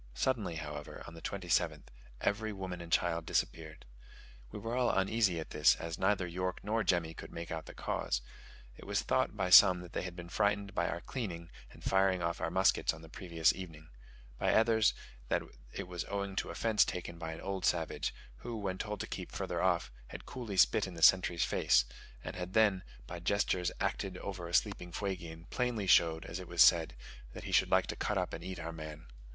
Suddenly, however, on the 27th, every woman and child disappeared. We were all uneasy at this, as neither York nor Jemmy could make out the cause. It was thought by some that they had been frightened by our cleaning and firing off our muskets on the previous evening; by others, that it was owing to offence taken by an old savage, who, when told to keep further off, had coolly spit in the sentry's face, and had then, by gestures acted over a sleeping Fuegian, plainly showed, as it was said, that he should like to cut up and eat our man.